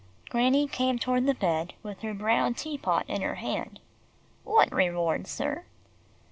Granny came toward the bed with her brown tea pot in her hand. "What reward, sir?"